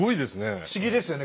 不思議ですよね。